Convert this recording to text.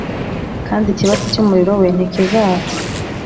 kandi ikibatsi cy’umuriro we ntikizaka